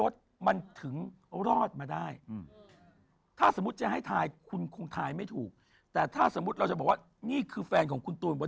สวัสดีครับสวัสดีครับ